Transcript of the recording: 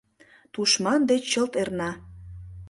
Тушман деч чылт эрна.